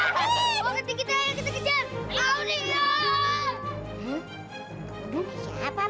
wah kita kita kejar ayo nih ya